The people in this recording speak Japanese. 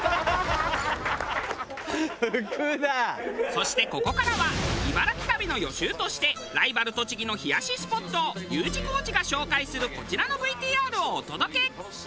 そしてここからは茨城旅の予習としてライバル栃木の冷やしスポットをＵ字工事が紹介するこちらのＶＴＲをお届け！